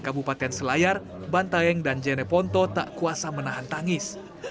kabupaten selayar bantaeng dan jeneponto tak kuasa menahan tangis